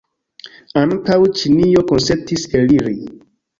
Ankaŭ Ĉinio konsentis eliri.